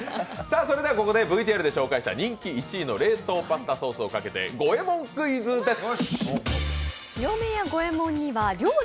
ここでＶＴＲで紹介した人気１位のパスタソースをかけて五右衛門クイズです。